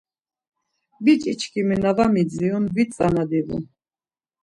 Biç̌i çkimi na var midzirun vit tzana divu.